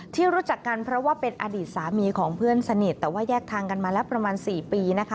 ที่รู้จักกันเพราะว่าเป็นอดีตสามีของเพื่อนสนิทแต่ว่าแยกทางกันมาแล้วประมาณ๔ปีนะคะ